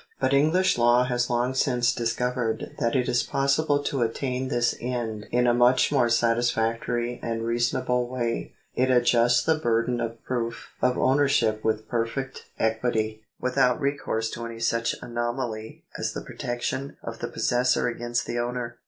But English law has long since discovered that it is possible to attain this end in a much more satisfactory and reasonable way. It adjusts the burden of proof of ownership with perfect equity, without recourse to any such anomaly as the protection of the possessor against the owner.